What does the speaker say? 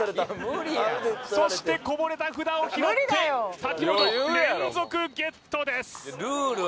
そしてこぼれた札を拾って瀧本連続ゲットです